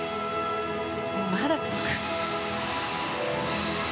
まだ続く！